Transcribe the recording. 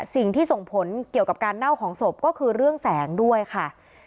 สิ่งที่ส่งผลเกี่ยวกับการเน่าของศพก็คือเรื่องแสงด้วยค่ะ